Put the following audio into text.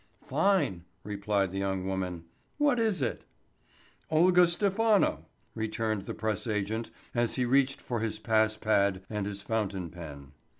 "Fine," replied the young woman. "What is it?" "Olga Stephano," returned the press agent as he reached for his pass pad and his fountain pen.